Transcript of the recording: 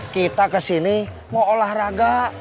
kita kesini mau olahraga